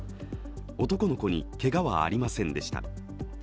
男の子にけがはありませんでした。